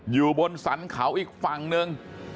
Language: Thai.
อยู่บนสรรเขาอีกฝั่งหนึ่ง